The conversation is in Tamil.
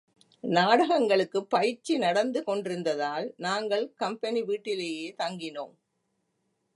நாடகங்களுக்குப் பயிற்சி நடந்து கொண்டிருந்ததால் நாங்கள் கம்பெனி வீட்டிலேயே தங்கினோம்.